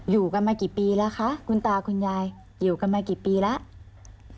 อยู่กันมากี่ปีแล้วคะคุณตาคุณยายอยู่กันมากี่ปีแล้ว